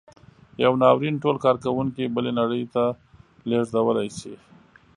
یو ناورین ټول کارکوونکي بلې نړۍ ته لېږدولی شي.